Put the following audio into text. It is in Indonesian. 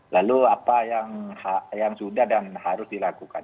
lalu apa yang sudah dan harus dilakukan